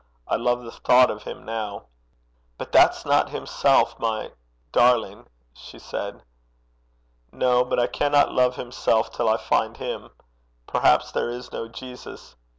I love the thought of him now.' 'But that's not himself, my darling!' she said. 'No. But I cannot love himself till I find him. Perhaps there is no Jesus.'